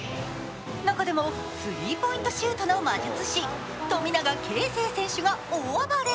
中でもスリーポイントシュートの魔術師富永啓生選手が大暴れ。